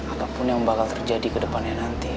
apapun yang terjadi kedepan realistic